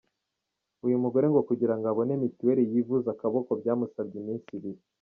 Uyu mugore ngo kugirango abone Mituweli yivuze akaboko byamusabye iminsi ibiri.